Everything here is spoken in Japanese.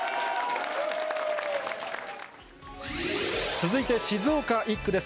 続いて、静岡１区です。